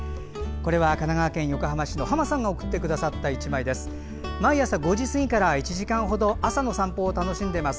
これは神奈川県横浜市のはまさんが送ってくださった１枚です。